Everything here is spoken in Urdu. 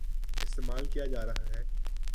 استعمال کیا جارہا ہے ۔